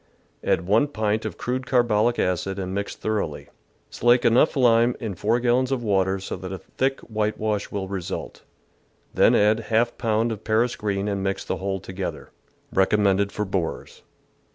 Add 1 pint of crude carbolic acid and mix thor oughly. Slake enough lime in 4 gallons of water so that a thick whitewash will result, then add % pound of Paris green and mix the whole together. Recommended for borers.